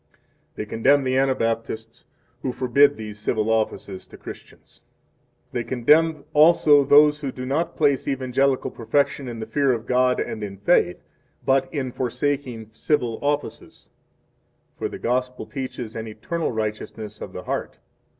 3 They condemn the Anabaptists who forbid these civil offices to Christians. 4 They condemn also those who do not place evangelical perfection in the fear of God and in faith, but in forsaking civil offices, for 5 the Gospel teaches an eternal righteousness of the heart.